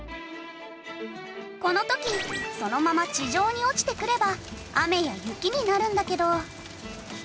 この時そのまま地上に落ちてくれば雨や雪になるんだけど。